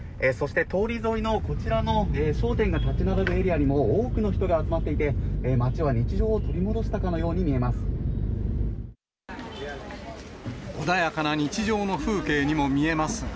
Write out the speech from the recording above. そして、通り沿いの、こちらの商店が建ち並ぶエリアにも、多くの人が集まっていて、街は日常を取り戻したかのように見えます。